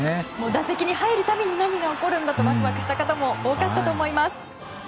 打席に入るたびに何が起こるんだとわくわくした方も多かったと思います。